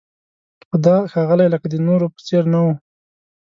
خو دا ښاغلی لکه د نورو په څېر نه و.